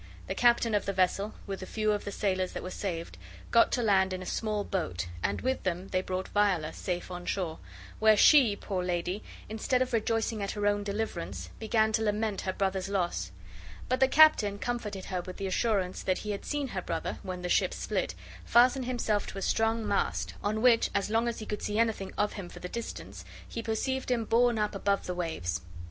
The captain of the vessel, with a few of the sailors that were saved, got to land in a small boat, and with them they brought Viola safe on shore, where she, poor lady, instead of rejoicing at her own deliverance, began to lament her brother's loss; but the captain comforted her with the assurance that he had seen her brother, when the ship split, fasten himself to a strong mast, on which, as long as he could see anything of him for the distance, he perceived him borne up above the waves.